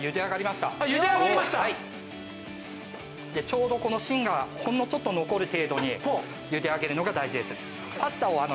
ちょうどこの芯がほんのちょっと残る程度に茹で上げるのが大事です。